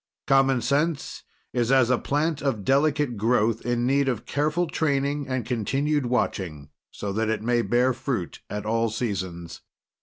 Common Sense is as a plant of delicate growth, in need of careful training and continued watching so that it may bear fruit at all seasons.